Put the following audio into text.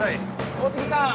大杉さん